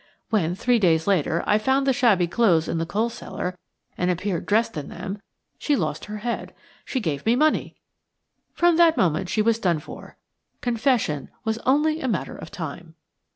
When, three days later, I found the shabby clothes in the coal cellar and appeared dressed in them, she lost her head. She gave me money! From that moment she was done for. Confession was only a matter of time."